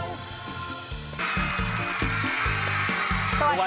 คุกัสสุบัติข่าว